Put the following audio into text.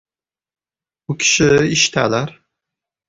— U kishi ishdalar.